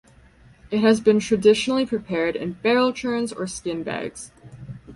It has been traditionally prepared in barrel churns or skin bags.